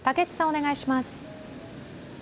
お願いします。